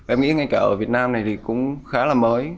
em nghĩ ngay cả ở việt nam này thì cũng khá là mới